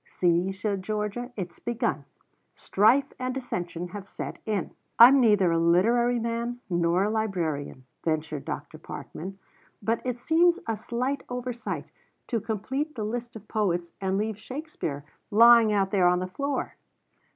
"See," said Georgia "it's begun. Strife and dissension have set in." "I'm neither a literary man nor a librarian," ventured Dr. Parkman, "but it seems a slight oversight to complete the list of poets and leave Shakespeare lying out there on the floor."